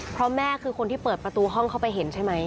เพราะแม่คือคนที่เปิดประตูห้องเข้าไปเห็นใช่ไหม